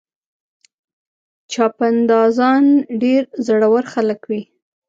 چاپندازان ډېر زړور خلک وي.